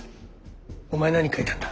お前何書いたんだ？